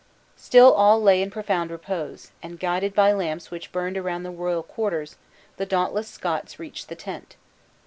Still all lay in profound repose, and guided by the lamps which burned around the royal quarters, the dauntless Scots reached the tent.